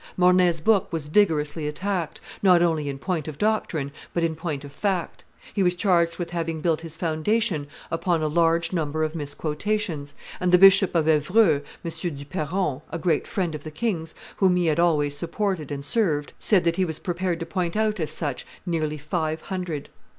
Mornay's book was vigorously attacked, not only in point of doctrine, but in point of fact; he was charged with having built his foundation upon a large number of misquotations; and the Bishop of Evreux, M. du Perron, a great friend of the king's, whom he had always supported and served, said that he was prepared to point out as such nearly five hundred.